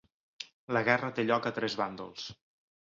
La guerra té lloc a tres bàndols.